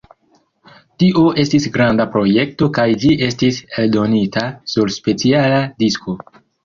Tio estis granda projekto kaj ĝi estis eldonita sur speciala disko.